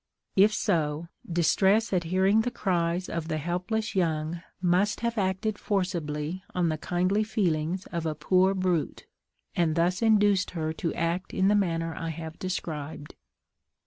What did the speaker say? If so, distress at hearing the cries of the helpless young must have acted forcibly on the kindly feelings of a poor brute, and thus induced her to act in the manner I have described.